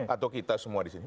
atau kita semua disini